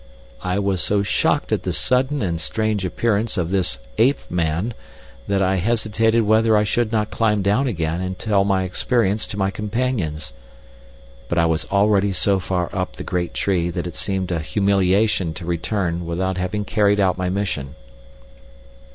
I was so shocked at the sudden and strange appearance of this ape man that I hesitated whether I should not climb down again and tell my experience to my companions. But I was already so far up the great tree that it seemed a humiliation to return without having carried out my mission.